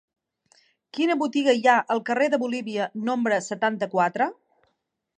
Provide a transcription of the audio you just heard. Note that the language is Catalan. Quina botiga hi ha al carrer de Bolívia número setanta-quatre?